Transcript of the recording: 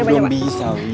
gue belum bisa wi